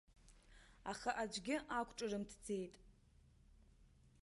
Аха аӡәгьы ақәҿырымҭӡеит.